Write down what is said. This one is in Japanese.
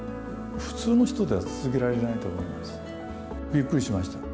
普通の人では続けられないと思います。